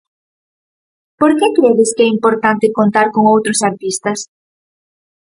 Por que credes que é importante contar con outros artistas?